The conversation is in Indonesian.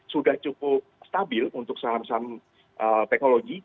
sudah cukup stabil untuk saham saham teknologi